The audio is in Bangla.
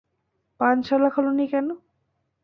পানশালা খোলোনি কেন?